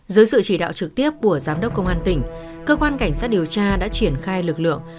dưới sự chỉ đạo trực tiếp của giám đốc công an tỉnh cơ quan cảnh sát điều tra đã triển khai lực lượng